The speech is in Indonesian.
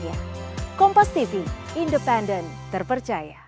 makanya sering terjadi keselakaan